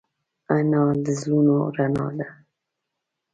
انا د زړونو رڼا ده